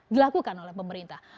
dilakukan oleh pemerintah